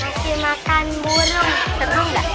ngasih makan burung seru mag